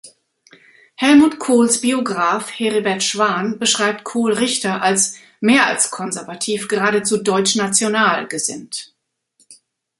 Helmut Kohls Biograf Heribert Schwan beschreibt Kohl-Richter als „mehr als konservativ, geradezu deutschnational“ gesinnt.